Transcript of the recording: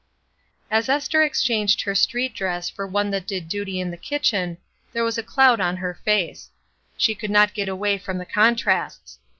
As Esther exchanged her street dress for one that did duty in the kitchen there was a cloud on her face; she could not get away from the contrasts.